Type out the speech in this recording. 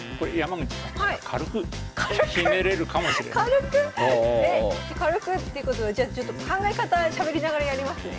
軽く？軽く？軽くっていうことはじゃあちょっと考え方しゃべりながらやりますね。